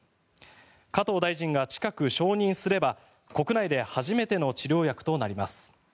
加藤大臣が近く承認すれば国内で初めての治療薬となります。